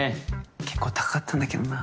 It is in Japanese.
けっこう高かったんだけどな。